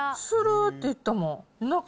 するーっていったもん。